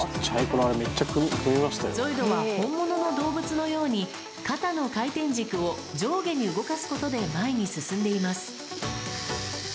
ゾイドは本物の動物のように、肩の回転軸を上下に動かすことで前に進んでいます。